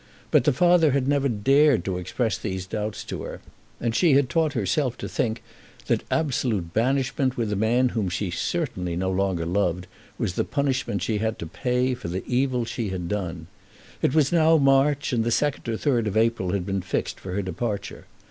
But the father had never dared to express these doubts to her, and she had taught herself to think that absolute banishment with a man whom she certainly no longer loved, was the punishment she had to pay for the evil she had done. It was now March, and the second or third of April had been fixed for her departure.